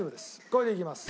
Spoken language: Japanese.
これでいきます。